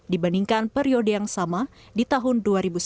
dibandingkan periode yang sama di tahun dua ribu sembilan belas